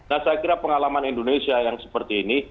nah saya kira pengalaman indonesia yang seperti ini